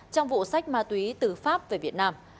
trong vụ sách ma túy từ pháp về việt nam